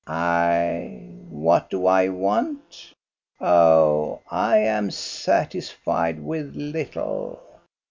"I — what do I want ? Oh, I am satisfied with little.